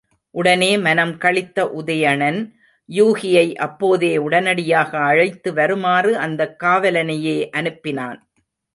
உடனே மனம் களித்த உதயணன், யூகியை அப்போதே உடனடியாக அழைத்து வருமாறு அந்தக் காவலனையே அனுப்பினான்.